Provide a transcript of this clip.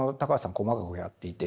細かくやっていて。